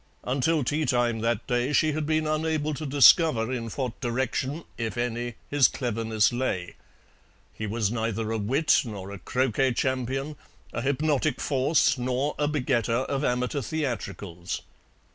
Until tea time that day she had been unable to discover in what direction, if any, his cleverness lay. He was neither a wit nor a croquet champion, a hypnotic force nor a begetter of amateur theatricals.